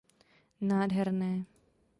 Nádherné.